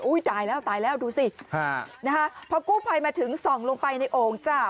ตายแล้วตายแล้วดูสิพอกู้ภัยมาถึงส่องลงไปในโอ่งจ้ะ